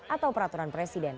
atau peraturan presiden